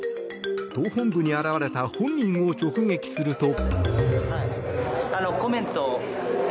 党本部に現れた本人を直撃すると。